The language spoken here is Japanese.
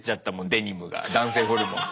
デニムが男性ホルモンで。